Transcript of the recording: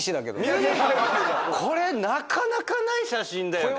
これなかなかない写真だよね。